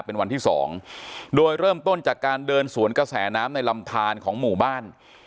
เป็นวันที่สองโดยเริ่มต้นจากการเดินสวนกระแสน้ำในลำทานของหมู่บ้าน